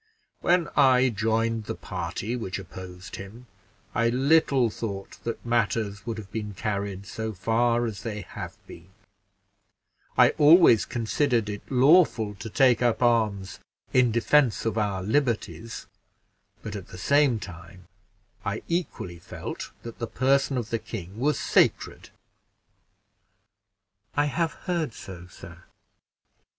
When I joined the party which opposed him, I little thought that matters would have been carried so far as they have been; I always considered it lawful to take up arms in defense of our liberties, but at the same time I equally felt that the person of the king was sacred." "I have heard so, sir."